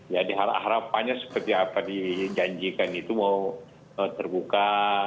jadi harapannya seperti apa dijanjikan itu mau terbuka